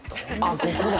ここだ。